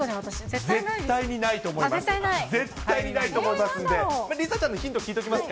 絶対ないと思います。